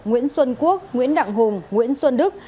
nguyễn xuân quốc nguyễn đặng hùng nguyễn xuân đức